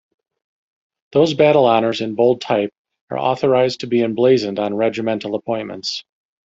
Those battle honours in bold type are authorized to be emblazoned on regimental appointments.